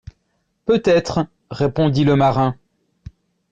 Peut-être, répondit le marin.